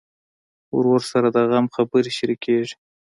ورور سره د غم خبرې شريکېږي.